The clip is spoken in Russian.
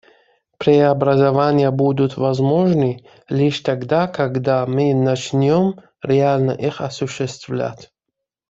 Преобразования будут возможны лишь тогда, когда мы начнем реально их осуществлять.